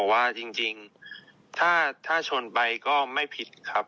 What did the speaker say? ว่าจริงถ้าชนไปก็ไม่ผิดครับ